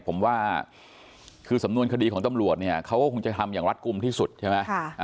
ผมว่าคือสำนวนคดีของตำรวจเนี่ยเขาก็คงจะทำอย่างรัฐกลุ่มที่สุดใช่ไหม